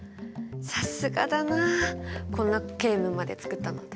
さすがだなこんなゲームまでつくったなんて。